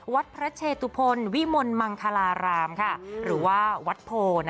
วัดพระเชตุพลวิมนต์มังคารารามค่ะหรือว่าวัดโพธิ์นะคะ